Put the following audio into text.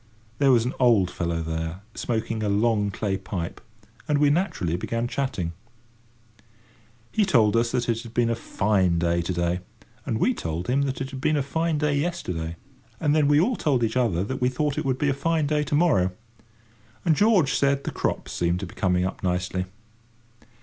There was an old fellow there, smoking a long clay pipe, and we naturally began chatting. He told us that it had been a fine day to day, and we told him that it had been a fine day yesterday, and then we all told each other that we thought it would be a fine day to morrow; and George said the crops seemed to be coming up nicely.